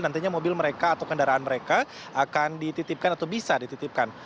nantinya mobil mereka atau kendaraan mereka akan dititipkan atau bisa dititipkan